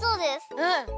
うん！